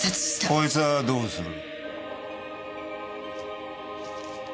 こいつはどうする？